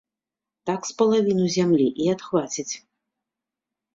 Так з палавіну зямлі і адхвацяць.